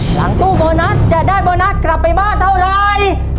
หลังตู้โบนัสจะได้โบนัสกลับไปบ้านเท่าไร